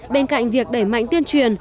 bên cạnh việc đẩy mạnh tuyên truyền